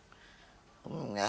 burung burung lo semua gue makan